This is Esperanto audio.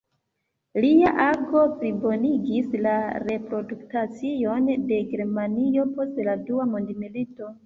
Lia ago plibonigis la reputacion de Germanio post la dua mondmilito.